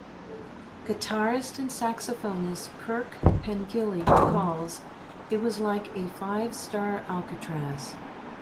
Guitarist and saxophonist Kirk Pengilly recalls, "It was like a five-star Alcatraz".